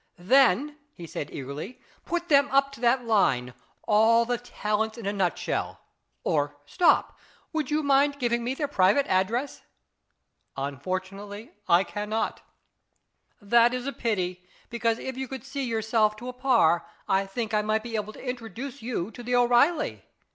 "Then," he said eagerly, "put them up to that line, ' all the talents in a nutshell.' Or stop ; would you mind giving me their private address ?"" Unfortunately, I cannot." " That is a pity, because if you could see your way to a ' par,' I think I might be able to introduce you to the O'Reilly.